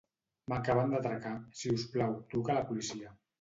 M'acaben d'atracar; si us plau, truca a la policia.